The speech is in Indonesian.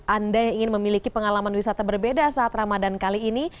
anda yang ingin memiliki pengalaman wisata berbeda saat ramadan kali ini